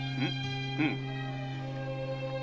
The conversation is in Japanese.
うん。